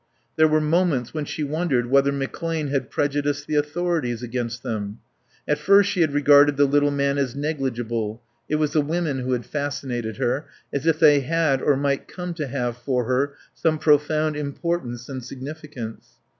There were moments when she wondered whether McClane had prejudiced the authorities against them. At first she had regarded the little man as negligible; it was the women who had fascinated her, as if they had or might come to have for her some profound importance and significance.